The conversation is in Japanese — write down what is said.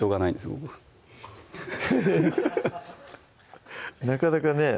僕なかなかね